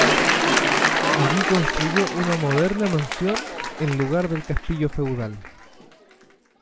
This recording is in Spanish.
Allí construyó una moderna mansión en lugar del castillo feudal.